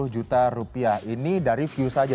dua puluh juta rupiah ini dari view saja